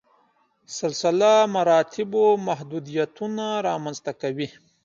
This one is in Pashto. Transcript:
سلسله مراتبو محدودیتونه رامنځته کوي.